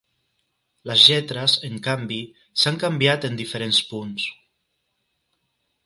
Les lletres, en canvi, s'han canviat en diferents punts.